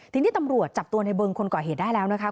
ทีนี้ตำรวจจับตัวในเบิงคนก่อเหตุได้แล้วนะคะ